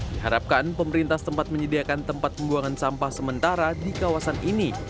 diharapkan pemerintah setempat menyediakan tempat pembuangan sampah sementara di kawasan ini